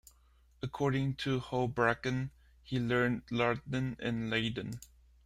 According to Houbraken he learned Latin in Leiden.